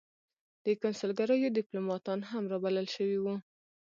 د کنسلګریو دیپلوماتان هم را بلل شوي وو.